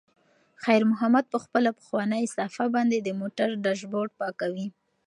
خیر محمد په خپله پخوانۍ صافه باندې د موټر ډشبورډ پاکوي.